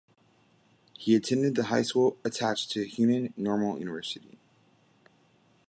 He attended the High School Attached to Hunan Normal University.